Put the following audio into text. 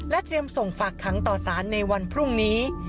เตรียมส่งฝากขังต่อสารในวันพรุ่งนี้